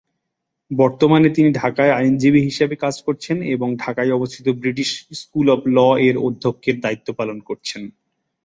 বর্তমানে তিনি ঢাকায় আইনজীবী হিসেবে কাজ করছেন এবং ঢাকায় অবস্থিত ব্রিটিশ স্কুল অব ল এর অধ্যক্ষের দায়িত্ব পালন করছেন।